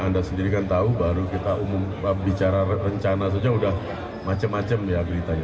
anda sendiri kan tahu baru kita umum bicara rencana saja sudah macem macem ya beritanya